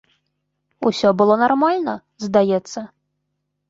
Усё было нармальна, здаецца.